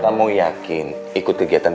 kamu yakin ikut kegiatan